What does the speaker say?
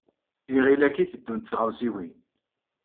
Iɣil akka i teddunt tɣawsiwin.